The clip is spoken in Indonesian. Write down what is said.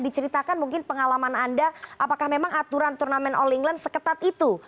diceritakan mungkin pengalaman anda apakah memang aturan turnamen all england seketat itu